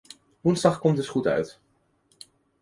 Woensdag komt dus goed uit.